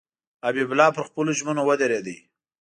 حبیب الله پر خپلو ژمنو ودرېدی.